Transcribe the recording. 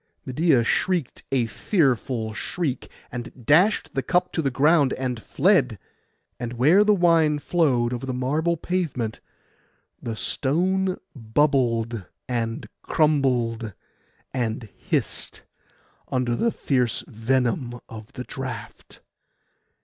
Medeia shrieked a fearful shriek, and dashed the cup to the ground, and fled; and where the wine flowed over the marble pavement, the stone bubbled, and crumbled, and hissed, under the fierce venom of the draught.